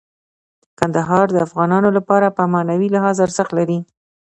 کندهار د افغانانو لپاره په معنوي لحاظ ارزښت لري.